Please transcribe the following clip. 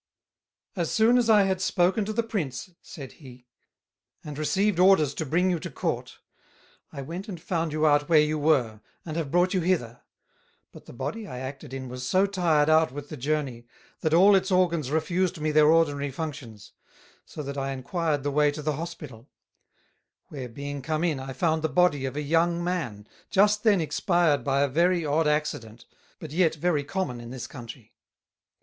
"So soon as I had spoken to the Prince," said he, "and received orders to bring you to Court, I went and found you out where you were, and have brought you hither; but the Body I acted in was so tired out with the Journey, that all its Organs refused me their ordinary Functions, so that I enquired the way to the Hospital; where being come in I found the Body of a young Man, just then expired by a very odd Accident, but yet very common in this Country.